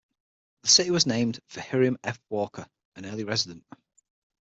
The city was named for Hiram F. Walker, an early resident.